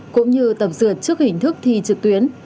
cũng như tập dượt trước hình thức thi trực tuyến